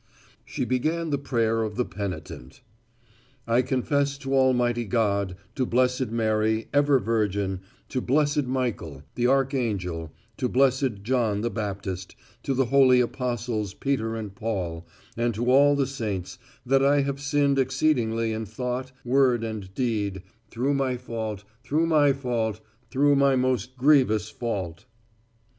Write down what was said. She began the prayer of the penitent. "I confess to Almighty God, to blessed Mary, ever Virgin, to blessed Michael, the archangel, to blessed John the Baptist, to the holy apostles Peter and Paul, and to all the saints, that I have sinned exceedingly in thought, word and deed, through my fault, through my fault, through my most grievous fault."